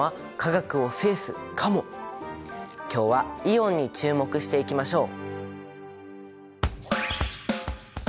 今日はイオンに注目していきましょう！